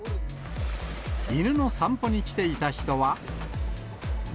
犬の散歩に来ていた人は。